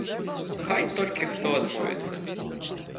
Хай толькі хто адмовіцца!